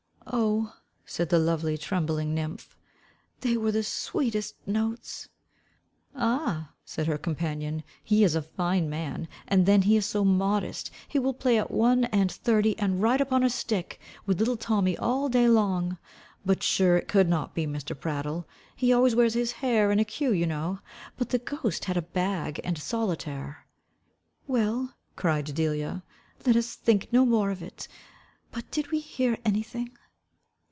"Oh," said the lovely, trembling nymph, "they were the sweetest notes!" "Ah," said her companion, "he is a fine man. And then he is so modest He will play at one and thirty, and ride upon a stick with little Tommy all day long. But sure it could not be Mr. Prattle He always wears his hair in a queue you know but the ghost had a bag and solitaire." "Well," cried Delia, "let us think no more of it. But did we hear anything?"